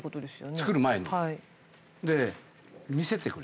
作る前に。